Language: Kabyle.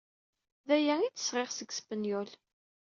D aya ay d-sɣiɣ seg Spenyul.